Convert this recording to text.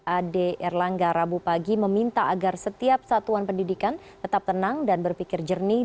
ade erlangga rabu pagi meminta agar setiap satuan pendidikan tetap tenang dan berpikir jernih